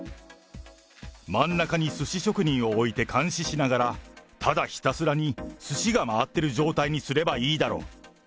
真ん中にすし職人を置いて監視しながら、ただひたすらにすしが回ってる状態にすればいいだろ。